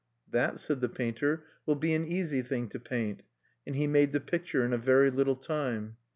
"That," said the painter, "will be an easy thing to paint." And he made the picture in a very little time.